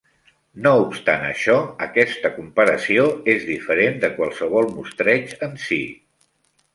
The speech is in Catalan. No obstant això, aquesta comparació és diferent de qualsevol mostreig en si.